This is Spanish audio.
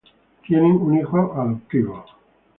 Tienen un hijo adoptivo.